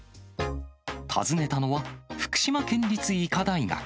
訪ねたのは、福島県立医科大学。